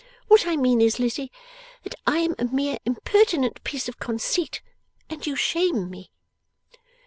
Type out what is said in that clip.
What I mean is, Lizzie, that I am a mere impertinent piece of conceit, and you shame me.